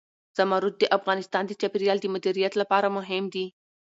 زمرد د افغانستان د چاپیریال د مدیریت لپاره مهم دي.